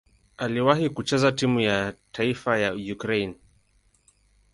Aliwahi kucheza timu ya taifa ya Ukraine.